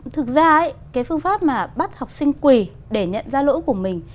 thực ra cái phương pháp mà bắt học sinh quỳ để nhận ra lỗi của mình